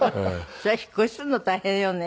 そりゃ引っ越しするの大変よね。